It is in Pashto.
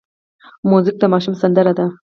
موزیک د ماشوم سندره ده.